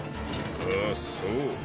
あっそう。